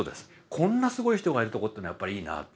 こんなすごい人がいるところってのはやっぱりいいなと。